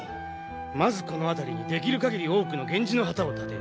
まずこの辺りにできる限り多くの源氏の旗を立てよ。